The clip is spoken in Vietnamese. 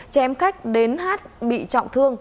chém khách đến hát bị trọng thương